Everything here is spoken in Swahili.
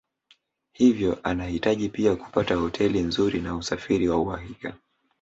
Hivyo anahitaji pia kupata hoteli nzuri na usafiri wa uhakika